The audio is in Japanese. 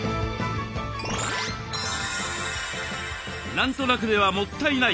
「何となく」ではもったいない！